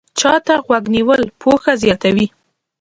چا ته غوږ نیول پوهه زیاتوي